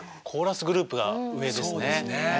コーラスグループが上ですね。